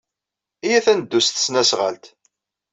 Iyyat ad neddu s tesnasɣalt.